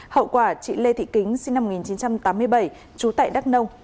hậu quả chị lê thị kính sinh năm một nghìn chín trăm tám mươi bảy trú tại đắk nông